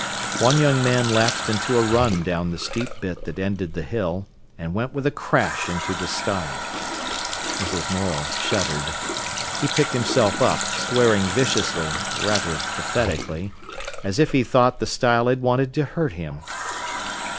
One young man lapsed into a run down the steep bit that ended the hill, and went with a crash into the stile. Mrs. Morel shuddered. He picked himself up, swearing viciously, rather pathetically, as if he thought the stile had wanted to hurt him.